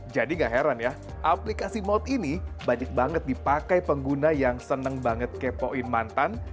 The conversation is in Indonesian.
jadi nggak heran ya aplikasi mode ini banyak banget dipakai pengguna yang seneng banget kepoin mantan